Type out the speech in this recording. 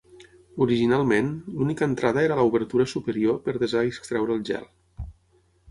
Originalment, l'única entrada era l'obertura superior per desar i extreure el gel.